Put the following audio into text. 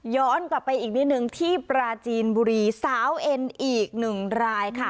กลับไปอีกนิดนึงที่ปราจีนบุรีสาวเอ็นอีกหนึ่งรายค่ะ